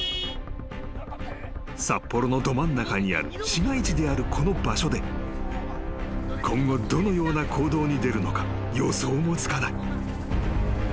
［札幌のど真ん中にある市街地であるこの場所で今後どのような行動に出るのか予想もつかない］